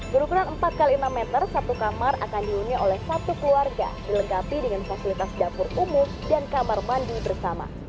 berukuran empat x enam meter satu kamar akan dihuni oleh satu keluarga dilengkapi dengan fasilitas dapur umum dan kamar mandi bersama